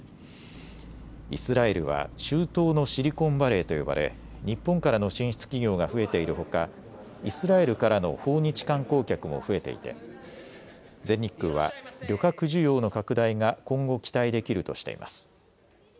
イスラエルは中東のシリコンバレーと呼ばれ日本からの進出企業が増えているほかイスラエルからの訪日観光客も増えていて全日空は旅客需要の拡大が今後期待できるとしています。